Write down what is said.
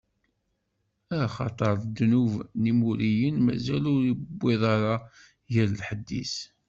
Axaṭer ddnub n Imuriyen mazal ur iwwiḍ ara ɣer lḥedd-is.